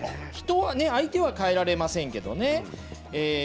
人は、相手は変えられませんけどね。